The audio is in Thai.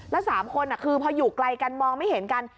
แล้ว๓คนคือพออยู่ไกลกันมองไม่เห็นกัน